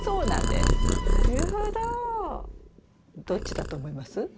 どっちだと思います？